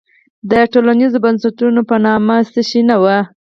د ټولنیزو بنسټونو په نامه څه شی نه وو.